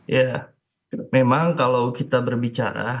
ya memang kalau kita berbicara